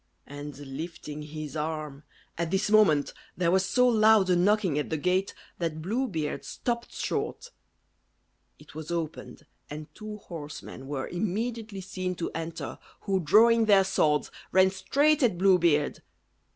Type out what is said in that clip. And lifting his arm At this moment there was so loud a knocking at the gate, that Blue Beard stopped short. It was opened, and two horsemen were immediately seen to enter, who, drawing their swords, ran straight at Blue Beard.